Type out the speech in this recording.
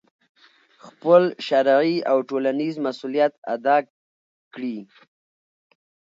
خپل شرعي او ټولنیز مسؤلیت ادا کړي،